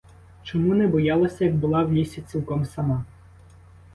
Чому не боялася, як була в лісі цілком сама?